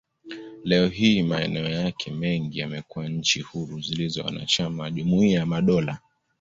Leo hii, maeneo yake mengi yamekuwa nchi huru zilizo wanachama wa Jumuiya ya Madola.